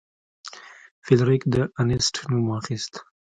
فلیریک د انیسټ نوم واخیست.